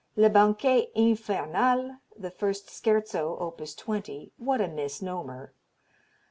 Le Banquet Infernal, the First Scherzo, op. 20 what a misnomer!